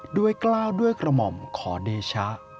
กล้าวด้วยกระหม่อมขอเดชะ